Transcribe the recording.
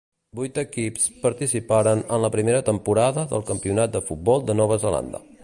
Vuit equips participaren en la primera temporada del Campionat de Futbol de Nova Zelanda.